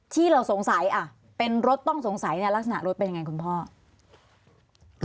ที่เราสงสัยเป็นรถต้องสงสัยรักษณะรถเป็นอย่างไรครับคุณพ่อ